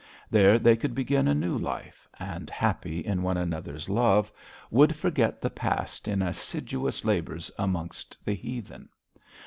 There they could begin a new life, and, happy in one another's love, would forget the past in assiduous labours amongst the heathen.